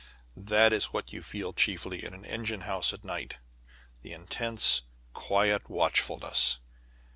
That is what you feel chiefly in an engine house at night the intense, quiet watchfulness.